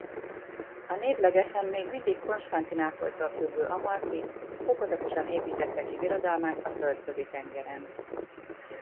A névlegesen még mindig Konstantinápolytól függő Amalfi fokozatosan építette ki birodalmát a Földközi-tengeren.